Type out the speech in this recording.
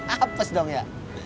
apes dong ya